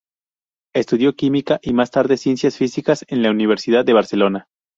Estudió Química y más tarde Ciencias Físicas en la Universidad de Barcelona.